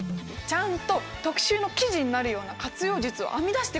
ちゃんと特集の記事になるような活用術を編み出してくださいよ！